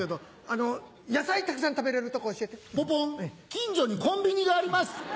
近所にコンビニがあります。